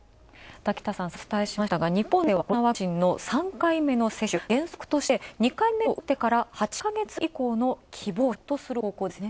滝田さん先ほどお伝えしましたが日本ではコロナワクチンの３回目の接種、原則として二回目を打ってから８か月以降の希望者とする方向ですよね。